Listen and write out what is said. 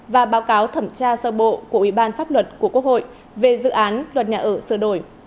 và báo cáo thẩm tra sơ bộ của ủy ban pháp luật của quốc hội về dự án luật nhà ở sơ đổi